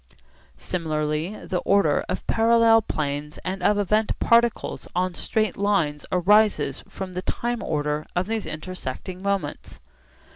Similarly the order of parallel planes and of event particles on straight lines arises from the time order of these intersecting moments.